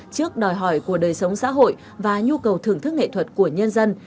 trước đòi hỏi của đời sống xã hội và nhu cầu thưởng thức nghệ thuật của nhân dân